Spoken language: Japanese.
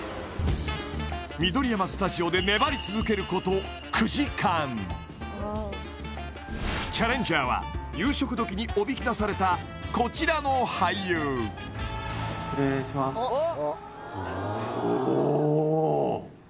緑山スタジオでチャレンジャーは夕食時におびき出されたこちらの俳優失礼しますおおーっ！